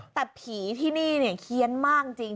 แต่ผีที่นี่เนี่ยเคี้ยนมากจริง